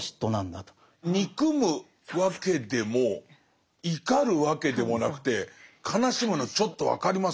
憎むわけでも怒るわけでもなくて悲しむのちょっと分かります。